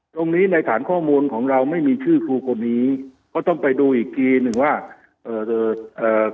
ตรงนี้ในฐานข้อมูลของเราไม่มีชื่อครูคนนี้เขาต้องไปดูอีกกี่หนึ่งว่าเอ่อเอ่อ